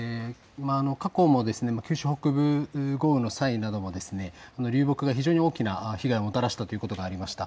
過去も九州北部豪雨の際なども流木が非常に大きな被害をもたらしたことがありました。